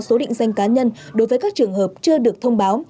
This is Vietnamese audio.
số định danh cá nhân đối với các trường hợp chưa được thông báo